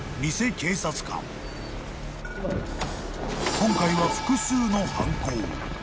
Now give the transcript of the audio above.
［今回は複数の犯行］